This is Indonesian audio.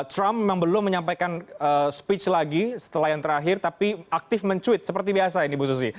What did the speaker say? trump memang belum menyampaikan speech lagi setelah yang terakhir tapi aktif mencuit seperti biasa ini bu susi